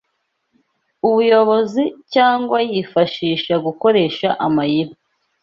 ubuyobozi cyangwa yifashisha gukoresha amayeri